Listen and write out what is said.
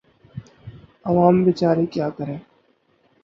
عوام بیچارے کیا کریں۔